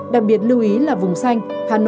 đặc biệt lưu ý là vùng xanh